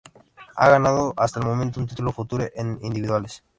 Ha ganado hasta el momento un título future en individuales.